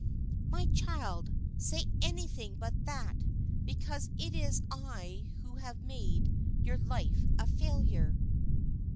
"My child, say anything but that, because it is I who have made your life a failure."